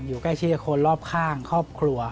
อยู่ใกล้ชิดกับคนรอบข้างครอบครัว